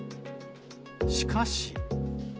しかし。